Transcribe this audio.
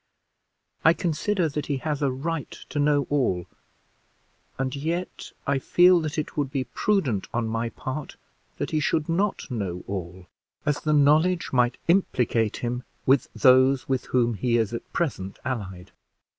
I consider that he has a right to know all, and yet I feel that it would be prudent on my part that he should not know all, as the knowledge might implicate him with those with whom he is at present allied.